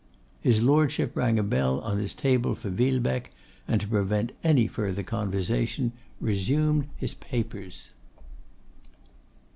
His Lordship rang a bell on his table for Villebecque; and to prevent any further conversation, resumed his papers.